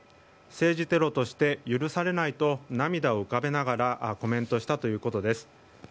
政治テロとして許されないと涙を浮かべながらコメントしたということです。